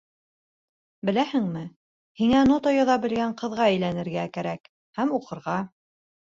Беләһеңме, һиңә нота яҙа белгән ҡыҙға әйләнергә кәрәк һәм уҡырға.